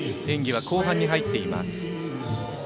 演技後半に入っています。